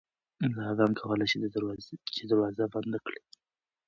ملا بانګ کولی شي چې دروازه بنده کړي.